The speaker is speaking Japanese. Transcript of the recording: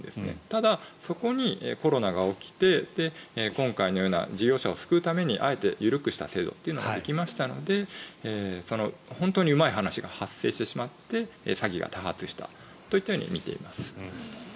ただ、そこにコロナが起きて今回のような事業者を救うためにあえて緩くした制度ができましたので本当にうまい話が発生してしまって詐欺が多発したといったように見ています。